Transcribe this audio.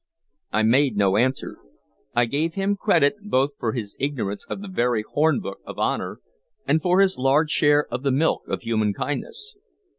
I made no answer. I gave him credit both for his ignorance of the very hornbook of honor and for his large share of the milk of human kindness.